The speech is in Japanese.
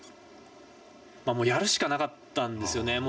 やるしかなかったんですよね。